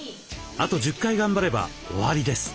あと１０回頑張れば終わりです。